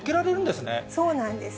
そうなんです。